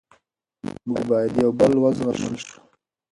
موږ باید یو بل و زغملی سو.